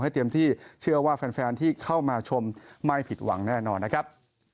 เตรียมที่เชื่อว่าแฟนที่เข้ามาชมไม่ผิดหวังแน่นอนนะครับ